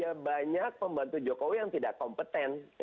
ya banyak pembantu jokowi yang tidak kompeten